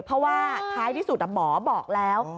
เพราะว่าท้ายที่สุดหมอบอกแล้ว